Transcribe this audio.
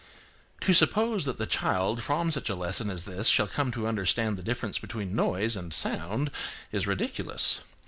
To suppose that the child from such a lesson as this shall come to understand the difference between noise and sound is ridiculous.